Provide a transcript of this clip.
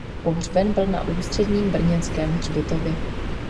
Pohřben byl na Ústředním brněnském hřbitově.